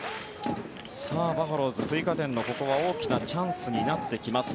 バファローズ、追加点の大きなチャンスになってきます。